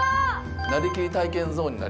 なりきり体験ゾーンになります。